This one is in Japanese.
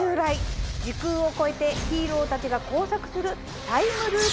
時空を超えてヒーローたちが交錯する。